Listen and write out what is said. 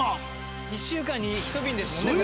１週間に１便ですもんね。